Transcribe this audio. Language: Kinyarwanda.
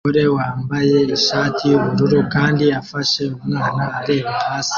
Umugore wambaye ishati yubururu kandi afashe umwana areba hasi